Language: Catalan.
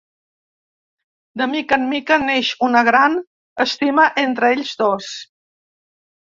De mica en mica neix una gran estima entre ells dos.